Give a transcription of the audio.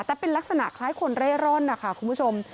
แต่เป็นลักษณะคล้ายคนเร่ร่อนนะคะคุณผู้ชม